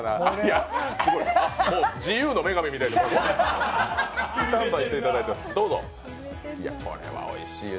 もう自由の女神みたいにスタンバイしていただいてどうぞ、これはおいしい。